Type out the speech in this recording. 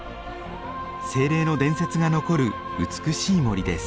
精霊の伝説が残る美しい森です。